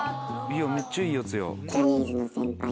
めっちゃいいやつや。